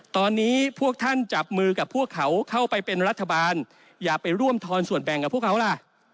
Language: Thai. ตอนนี้พวกท่านจับมือกับพวกเขาเข้าไปเป็นรัฐบาลอย่าไปร่วมทอนส่วนแบ่งกับพวกเขาล่ะ